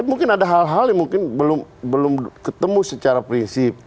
mungkin ada hal hal yang mungkin belum ketemu secara prinsip